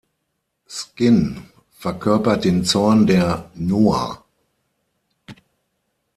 Skin verkörpert den Zorn der Noah.